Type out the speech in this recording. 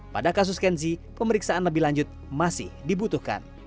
pada kasus kenzi pemeriksaan lebih lanjut masih dibutuhkan